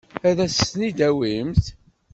Ad as-ten-id-tawimt?